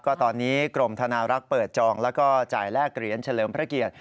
ก็ตอนนี้กรมธนารักษ์เปิดจองแล้วก็จ่ายแลกเหรียญเฉลิมพระเกียรติ